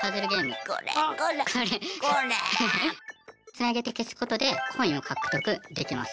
つなげて消すことでコインを獲得できます。